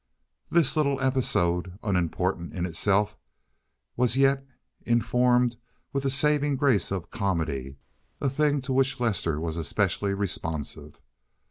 This little episode, unimportant in itself, was yet informed with the saving grace of comedy, a thing to which Lester was especially responsive.